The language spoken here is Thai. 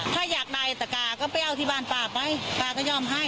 ถ้าอยากได้ตะกาก็ไปเอาที่บ้านป้าไปป้าก็ยอมให้